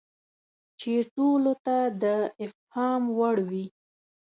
چې ټولو ته د افهام وړ وي.